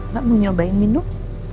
mbak mau nyobain minum